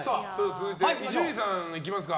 続いて伊集院さんいきますか。